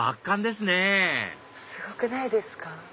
すごくないですか？